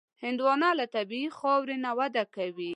هندوانه له طبیعي خاورې نه وده کوي.